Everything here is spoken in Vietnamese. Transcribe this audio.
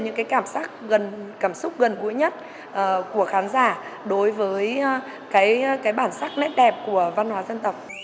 những cái cảm xúc gần gũi nhất của khán giả đối với cái bản sắc nét đẹp của văn hóa dân tộc